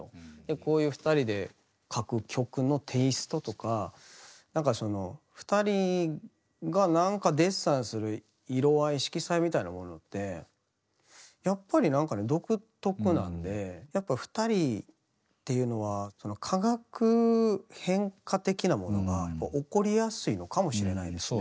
こういう２人で書く曲のテイストとかなんかその２人がなんかデッサンする色合い色彩みたいなものってやっぱりなんかね独特なんでやっぱ２人っていうのは化学変化的なものが起こりやすいのかもしれないですね。